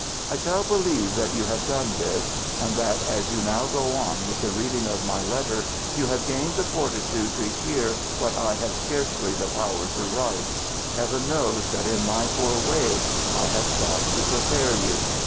"I shall believe that you have done this, and that, as you now go on with the reading of my letter, you have gained the fortitude to hear what I have scarcely the power to write. Heaven knows that in my poor way I have sought to prepare you!